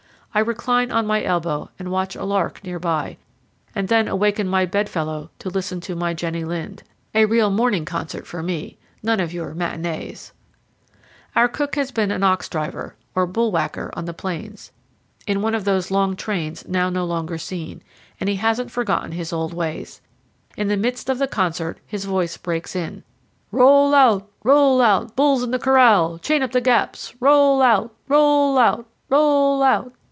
I recline on my elbow and watch a lark near by, and then awaken my bedfellow, to listen to my Jenny Lind. A real morning concert for me; none of your "matinées"! Our cook has been an ox driver, or "bull whacker," on the plains, in 148 CANYONS OF THE COLORADO. powell canyons 101.jpg AN ANCIENT PUEBLO METATE. one of those long trains now no longer seen, and he hasn't forgotten his old ways. In the midst of the concert, his voice breaks in: "Roll out! roll out! bulls in the corral! chain up the gaps! Roll out! roll out! roll out!"